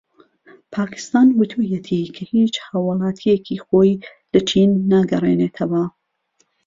پاکستان ووتویەتی کە هیچ هاوڵاتیەکی خۆی لە چین ناگەڕێنێتەوە.